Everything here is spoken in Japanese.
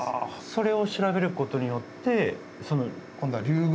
それを調べることによって。